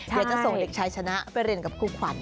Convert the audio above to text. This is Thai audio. เดี๋ยวจะส่งเด็กชายชนะไปเรียนกับครูขวัญ